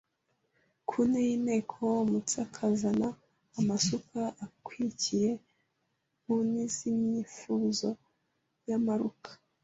Ku ntee y’inteko Umutsoe akazana amasuka Akwikiye mu nti z’imyifuzo Y’amaeruka